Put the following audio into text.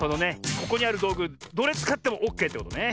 ここにあるどうぐどれつかってもオッケーってことね。